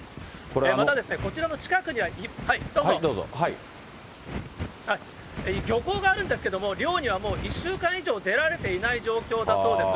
またこちらの近くには漁港があるんですけれども、漁にはもう２週間以上出られていない状況だそうです。